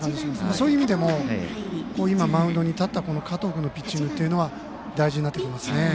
そういう意味でもマウンドに立った加藤君のピッチングは大事になってきますね。